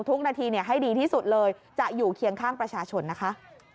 ทุกนาทีให้ดีที่สุดเลยจะอยู่เคียงข้างประชาชนนะคะ